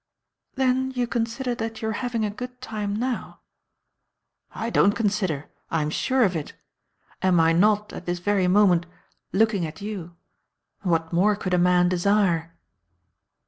"Then you consider that you are having a good time now?" "I don't consider. I am sure of it. Am I not, at this very moment looking at you? And what more could a man desire?"